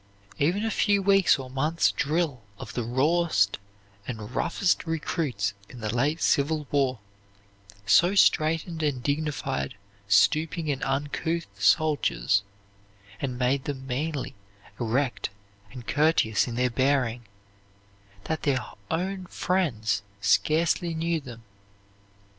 Even a few weeks' or months' drill of the rawest and roughest recruits in the late Civil War so straightened and dignified stooping and uncouth soldiers, and made them manly, erect, and courteous in their bearing, that their own friends scarcely knew them.